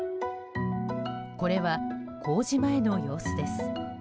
これは、工事前の様子です。